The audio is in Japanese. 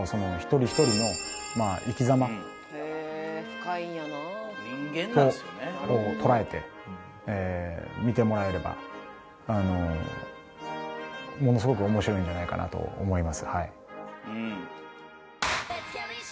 深いんやな」と捉えて見てもらえればものすごく面白いんじゃないかなと思いますはい。